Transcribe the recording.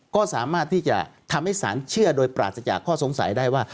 ก็สามารถที่จะทำให้สารเชื่อโดยปราศจากข้อสงสัยได้ว่า